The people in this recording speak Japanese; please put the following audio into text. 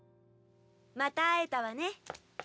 また会えたわね。